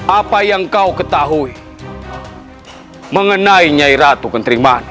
apa yang kau ketahui mengenai nyai ratu kentering manik